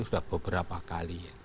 sudah beberapa kali